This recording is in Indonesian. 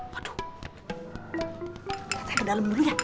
waduh kita ke dalem dulu ya